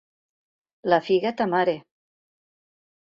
La figa ta mare!